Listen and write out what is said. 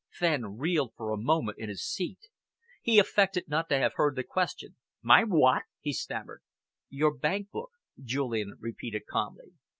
Fenn reeled for a moment in his seat. He affected not to have heard the question. "My what?" he stammered. "Your bank book," Julian repeated calmly.